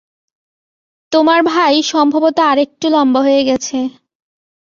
তোমার ভাই সম্ভবত আরেকটু লম্বা হয়ে গেছে।